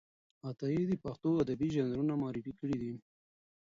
عطايي د پښتو ادبي ژانرونه معرفي کړي دي.